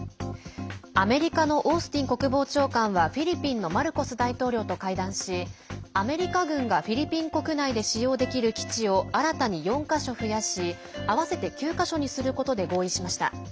アメリカのオースティン国防長官はフィリピンのマルコス大統領と会談しアメリカ軍がフィリピン国内で使用できる基地を新たに４か所増やし合わせて９か所にすることで合意しました。